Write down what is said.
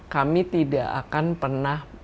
kami tidak akan pernah